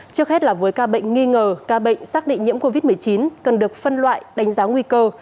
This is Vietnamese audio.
trước hết là với ca bệnh nghi ngờ ca bệnh xác định nhiễm covid một mươi chín cần được phân loại đánh giá nguy cơ